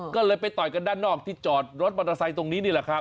ก็เลยไปต่อยกันด้านนอกที่จอดรถมอเตอร์ไซค์ตรงนี้นี่แหละครับ